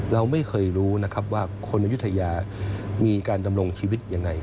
เราไม่เคยรู้นะครับว่าคนอายุทยามีการดำรงชีวิตยังไง